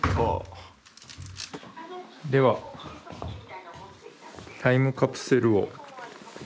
ではタイムカプセルを。